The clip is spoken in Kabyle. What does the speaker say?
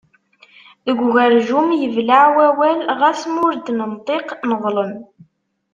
Deg ugerjum yebleɛ wawal, ɣas ma ur d-nenṭiq neḍlem.